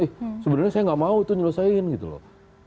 eh sebenarnya saya tidak mau itu menyelesaikan